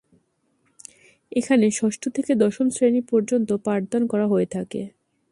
এখানে ষষ্ঠ থেকে দশম শ্রেণী পর্য্যন্ত পাঠদান করা হয়ে থাকে।